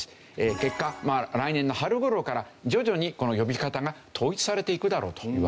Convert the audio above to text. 結果来年の春頃から徐々にこの呼び方が統一されていくだろうというわけですね。